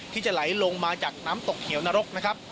ที่จะไหลลงมาจากน้ำตกเหี่ยวนรกนะครับ